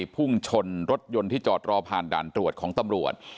พุ่งชนรถยนต์ที่จอดรอผ่านด่านตรวจของตำรวจ